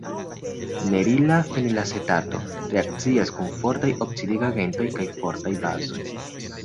Nerila fenilacetato reakcias kun fortaj oksidigagentoj kaj fortaj bazoj.